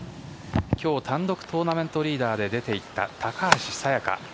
今日、単独トーナメントリーダーで出ていた高橋彩華。